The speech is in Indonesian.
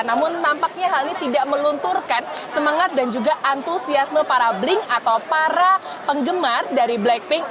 namun tampaknya hal ini tidak melunturkan semangat dan juga antusiasme para bling atau para penggemar dari blackpink